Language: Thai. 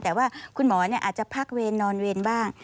แต่ว่าคุณหมออาจจะพักเวรนอนเวรบ้าง